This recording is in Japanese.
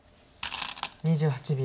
２８秒。